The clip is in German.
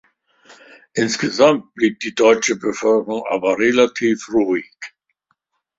Insgesamt blieb die deutsche Bevölkerung aber relativ ruhig.